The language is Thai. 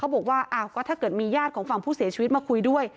บอกว่าอ้าวก็ถ้าเกิดมีญาติของฝั่งผู้เสียชีวิตมาคุยด้วย